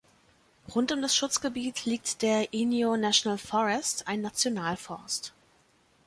Rund um das Schutzgebiet liegt der Inyo National Forest, ein Nationalforst.